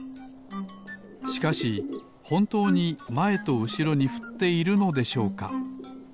しかしほんとうにまえとうしろにふっているのでしょうか？